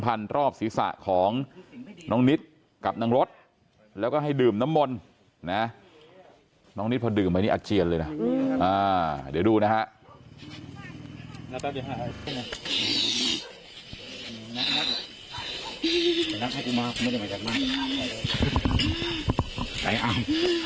รอบศีรษะของน้องนิดกับนางรถแล้วก็ให้ดื่มน้ำมนต์นะน้องนิดพอดื่มไปนี่อาเจียนเลยนะเดี๋ยวดูนะฮะ